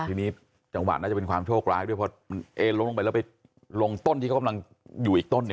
ทีนี้จังหวะน่าจะเป็นความโชคร้ายด้วยพอมันเอ๊ล้มลงไปแล้วไปลงต้นที่เขากำลังอยู่อีกต้น